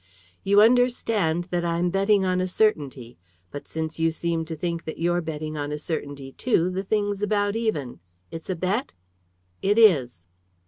"You understand that I'm betting on a certainty; but since you seem to think that you're betting on a certainty too the thing's about even. It's a bet?" "It is."